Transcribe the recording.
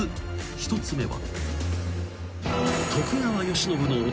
［１つ目は］